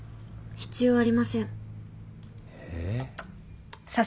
必要ありません。え？